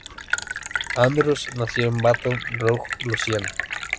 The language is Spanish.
Andrews nació en Baton Rouge, Luisiana.